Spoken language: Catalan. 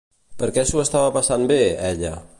Per què s'ho estava passant bé, ella?